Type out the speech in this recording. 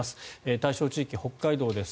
対象地域は北海道です。